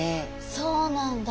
そうなんだ。